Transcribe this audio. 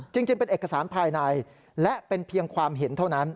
จริงเป็นเอกสารภายในและเป็นเพียงความเห็นเท่านั้น